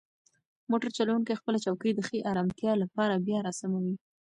موټر چلونکی خپله چوکۍ د ښې ارامتیا لپاره بیا راسموي.